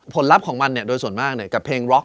ลัพธ์ของมันโดยส่วนมากกับเพลงร็อก